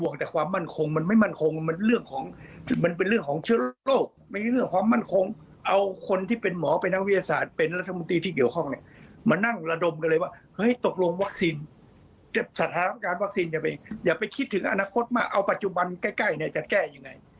สถานการณ์วัคซีนอย่าไปคิดถึงอนาคตมากเอาปัจจุบันใกล้จะแก้ยังไง